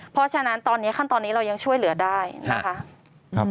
เพราะฉะนั้นตอนนี้ขั้นตอนนี้เรายังช่วยเหลือได้นะคะ